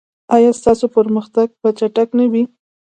ایا ستاسو پرمختګ به چټک نه وي؟